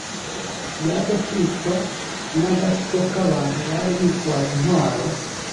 yaje kwicwa n agatsiko k abantu bari bitwaje intwaro